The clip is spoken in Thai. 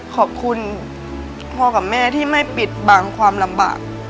ขอบคุณพ่อกับแม่ที่ไม่ปิดบังความลำบาก